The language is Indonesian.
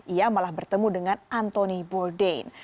ia malah bertemu dengan anthony boldene